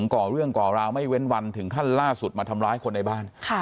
ก่อเรื่องก่อราวไม่เว้นวันถึงขั้นล่าสุดมาทำร้ายคนในบ้าน